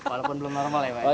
walaupun belum normal ya pak ya